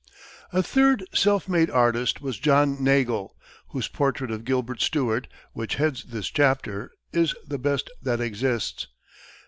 A third self made artist was John Neagle, whose portrait of Gilbert Stuart, which heads this chapter, is the best that exists.